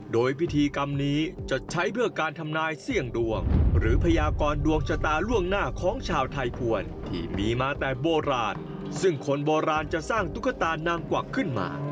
โดยพิธีมีชื่อว่านางกว้าเสี่ยงทาย